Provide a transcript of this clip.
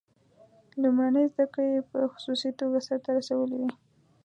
لومړنۍ زده کړې یې په خصوصي توګه سرته رسولې وې.